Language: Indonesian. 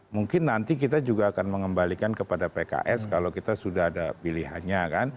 mungkin nanti kita juga akan mengembalikan kepada pks kalau kita sudah ada pilihannya kan